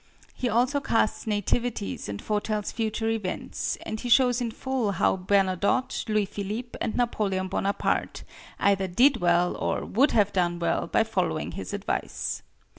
He also casts nativities and foretells future events; and he shows in full how Bernadotte, Louis Philippe, and Napoleon Bonaparte either did well or would have done well by following his advice.